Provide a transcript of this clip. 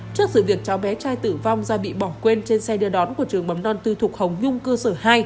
trước sự việc cháu bé trai tử vong do bị bỏ quên trên xe đưa đón của trường bấm non tư thục hồng nhung cơ sở hai